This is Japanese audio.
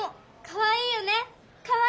かわいいよね！